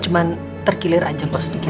cuma terkilir aja bu sedikit